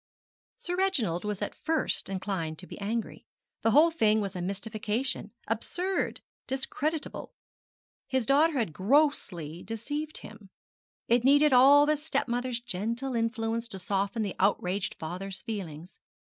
Sir Reginald was at first inclined to be angry. The whole thing was a mystification absurd, discreditable. His daughter had grossly deceived him. It needed all the stepmother's gentle influence to soften the outraged father's feelings.